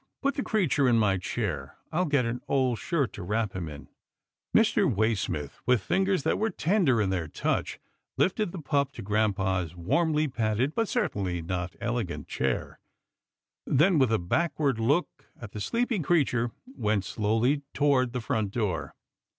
Put the creature in my chair. I'll get an old shirt to wrap him in." 104 'TILDA JANE'S ORPHANS Mr. Way smith, with fingers that were tender in their touch, lifted the pup to grampa's warmly padded, but certainly not elegant chair, then, with a backward look at the sleeping creature, went slowly toward the front door.